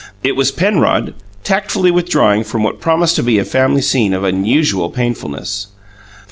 It was Penrod, tactfully withdrawing from what promised to be a family scene of unusual painfulness.